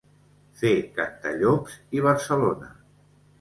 Fer Cantallops i Barcelona.